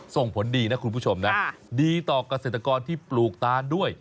ส่งผลดีนะคุณผู้ชมนะค่ะดีต่อกระเศรษฐกรที่ปลูกตาลด้วย